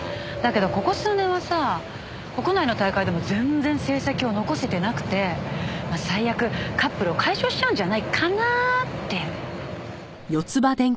だけどここ数年はさ国内の大会でも全然成績を残せてなくてまあ最悪カップルを解消しちゃうんじゃないかなって。